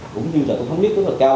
cũng như là cũng thống nhất rất là cao